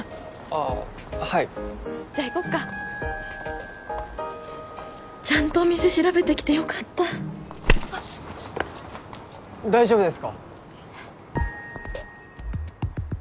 あはいじゃあ行こっかちゃんとお店調べてきてよかったあっ大丈夫ですか？